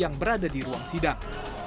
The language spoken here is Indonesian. yang berada di ruang sidang